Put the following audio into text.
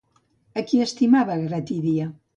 A qui estimava Gratídia?